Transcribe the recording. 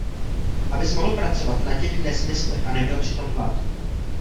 Abys mohl pracovat na těch nesmyslech a neměl přitom hlad!